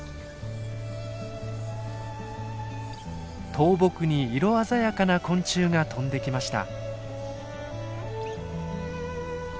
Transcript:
倒木に色鮮やかな昆虫が飛んできました。